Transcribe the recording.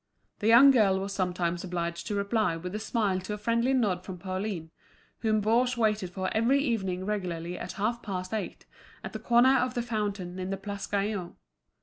The young girl was sometimes obliged to reply with a smile to a friendly nod from Pauline, whom Baugé waited for every evening regularly at half past eight, at the corner of the fountain in the Place Gaillon.